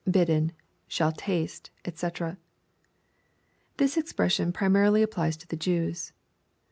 hidden.,.8haU taste^ <fcc.] This expression primarily ap plies to the Jews.